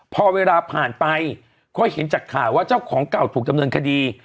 พอเวลาผ่านไปก็เห็นจากข่าวว่าเจ้าของเก่าถูกดำเนินคดี